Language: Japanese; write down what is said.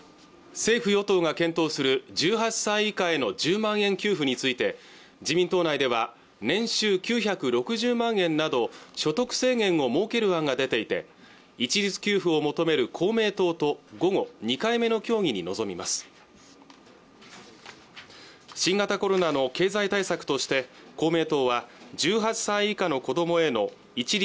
政府与党が検討する１８歳以下への１０万円給付について自民党内では年収９６０万円など所得制限を設ける案が出ていて一律給付を求める公明党と午後２回目の協議に臨みます新型コロナの経済対策として公明党は１８歳以下の子どもへの一律